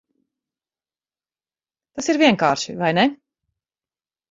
Tas ir vienkārši, vai ne?